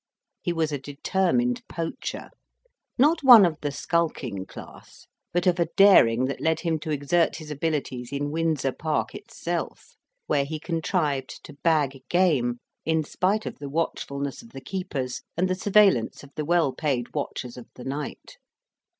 He was a determined poacher: not one of the skulking class, but of a daring that led him to exert his abilities in Windsor Park itself; where he contrived to bag game, in spite of the watchfulness of the keepers and the surveillance of the well paid watchers of the night.